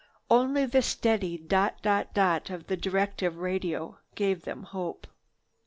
Only the steady dot dot dot of the directive radio gave them hope.